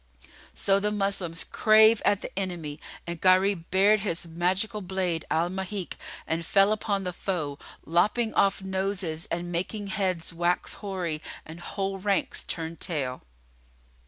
So the Moslems drave at the enemy and Gharib bared his magical blade Al Mahik and fell upon the foe, lopping off noses and making heads wax hoary and whole ranks turn tail.